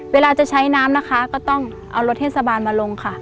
เวลาจะใช้น้ำนะคะก็ต้องเอารถเทศบาลมาลงค่ะ